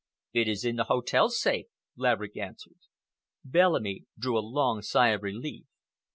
"It is in the hotel safe," Laverick answered. Bellamy drew a long sigh of relief.